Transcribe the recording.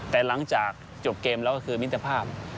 แต่หลังจากจบเกมแล้วก็มีแต่ภาพ